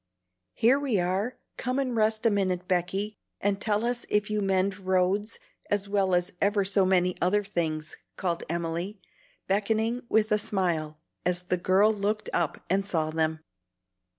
"Here we are! Come and rest a minute, Becky, and tell us if you mend roads as well as ever so many other things;" called Emily, beckoning with a smile, as the girl looked up and saw them.